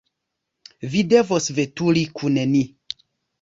Vi devos veturi kun ni.